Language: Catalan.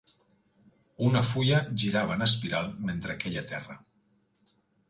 Una fulla girava en espiral mentre queia a terra.